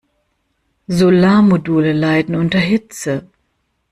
Solarmodule leiden unter Hitze.